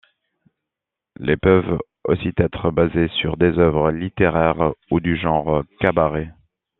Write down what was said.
Les peuvent aussi être basés sur des œuvres littéraires ou du genre cabaret.